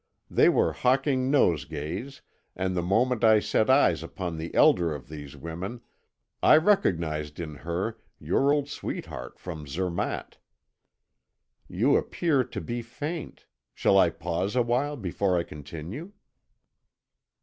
They were hawking nosegays, and the moment I set eyes upon the elder of these women I recognised in her your old sweetheart from Zermatt. You appear to be faint. Shall I pause a while before I continue?"